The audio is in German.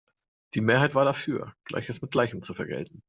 Die Mehrheit war dafür, Gleiches mit Gleichem zu vergelten.